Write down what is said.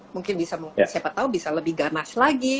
mungkin bisa siapa tahu bisa lebih ganas lagi